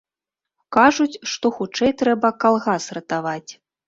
Кажуць, што хутчэй трэба калгас ратаваць.